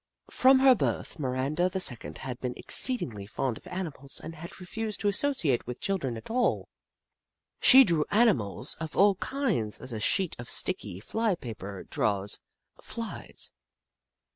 From her birth, Miranda the Second had been exceedingly fond of animals and had refused to associate with children at all. She drew animals of all kinds as a sheet of sticky fly paper draws Flies.